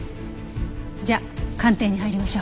じゃあ鑑定に入りましょう。